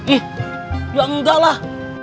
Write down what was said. ih ya enggak lah